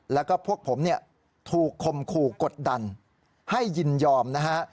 แล้วก็พวกผมเนี่ยถูกคมขู่กดดันให้ยินยอมนะฮะ